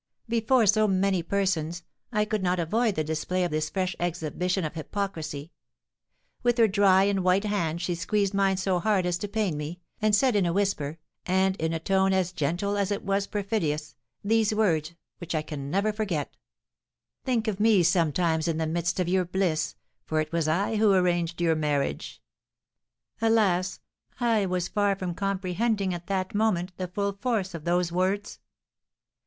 Before so many persons I could not avoid the display of this fresh exhibition of hypocrisy. With her dry and white hand she squeezed mine so hard as to pain me, and said, in a whisper, and in a tone as gentle as it was perfidious, these words, which I never can forget: 'Think of me sometimes in the midst of your bliss, for it was I who arranged your marriage.' Alas, I was far from comprehending at that moment the full force of those words!